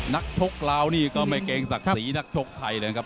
นักชกราวนี่ก็ไม่เกรงสักสีนักชกใครเลยนะครับ